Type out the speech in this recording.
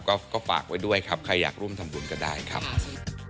ก็ฝากไว้ด้วยครับใครอยากร่วมทำบุญก็ได้ครับ